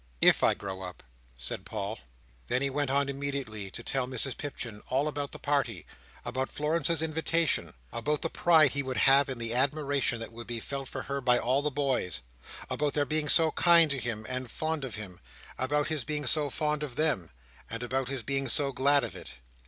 "If I grow up," said Paul. Then he went on immediately to tell Mrs Pipchin all about the party, about Florence's invitation, about the pride he would have in the admiration that would be felt for her by all the boys, about their being so kind to him and fond of him, about his being so fond of them, and about his being so glad of it.